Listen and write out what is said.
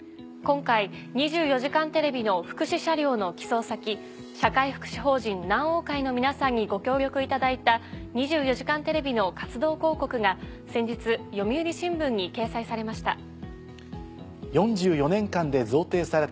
今回『２４時間テレビ』の福祉車両の寄贈先社会福祉法人南桜会の皆さんにご協力いただいた『２４時間テレビ』の活動広告が先日読売新聞に掲載されました。